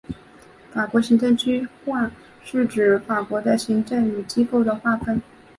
法国行政区划是指法国的行政和机构的划分。